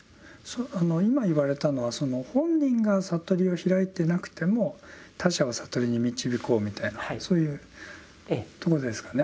今言われたのはその本人が悟りを開いてなくても他者を悟りに導こうみたいなそういうとこですかね。